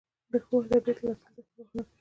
د ښو ادبیاتو لوستل ذهن روښانه کوي.